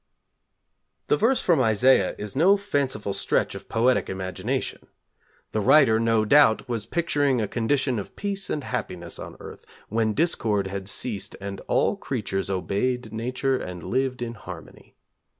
The verse from Isaiah is no fanciful stretch of poetic imagination. The writer, no doubt, was picturing a condition of peace and happiness on earth, when discord had ceased and all creatures obeyed Nature and lived in harmony.